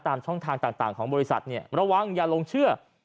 ตามช่องทางต่างของบริษัทระวังอย่าลงเชื่อ